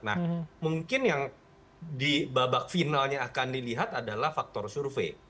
nah mungkin yang di babak finalnya akan dilihat adalah faktor survei